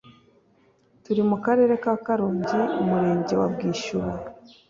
turi mu Karere ka Karongi Umurenge wa bwishyura